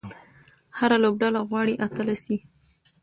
هره لوبډله غواړي اتله سي.